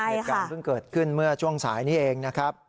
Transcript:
เหตุการณ์เพิ่งเกิดขึ้นเมื่อช่วงสายนี้เองนะครับ